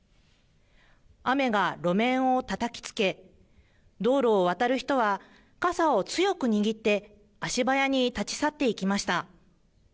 雨が路面をたたきつけ、道路を渡る人は、傘を強く握って、足早に立ち去っていきました。